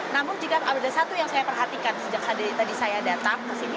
namun jika ada satu yang saya perhatikan sejak tadi saya datang ke sini